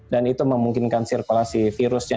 dan itu memungkinkan sirkulasi virusnya